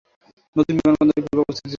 নতুন বিমানবন্দরটি পূর্বে অবস্থিত।